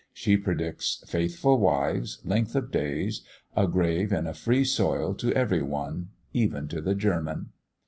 She predicts faithful wives, length of days, a grave in a free soil to every one, even to the German.